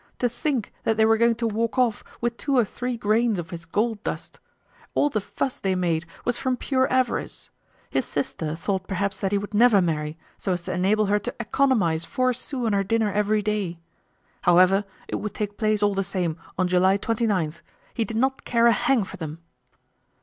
To think that they were going to walk off with two or three grains of his gold dust! All the fuss they made was from pure avarice. His sister thought perhaps that he would never marry, so as to enable her to economize four sous on her dinner every day. However, it would take place all the same on July 29. He did not care a hang for them!